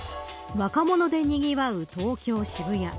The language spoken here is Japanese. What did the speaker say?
若者でにぎわう東京、渋谷。